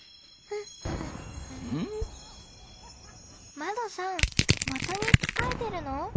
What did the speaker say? まどさんまた日記書いてるの？